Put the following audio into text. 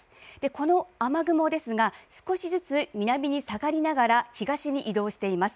この雨雲ですが少しずつ南に下がりながら東に移動しています。